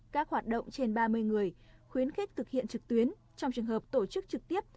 các hoạt động trên ba mươi người khuyến khích thực hiện trực tuyến trong trường hợp tổ chức trực tiếp